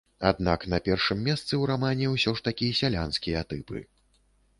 Аднак на першым месцы ў рамане ўсё ж такі сялянскія тыпы.